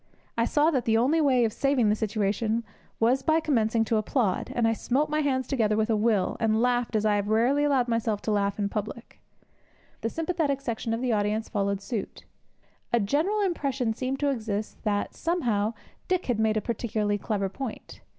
I saw that the only way of saving the situation was by commencing to applaud, and I smote my hands together with a will, and laughed as I have rarely allowed myself to laugh in public. The sympathetic section of the audience followed suit. A general impression seemed to exist that, somehow, Dick had made a particularly clever point.